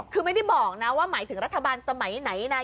คือไม่ได้บอกนะว่าหมายถึงรัฐบาลสมัยไหนนะ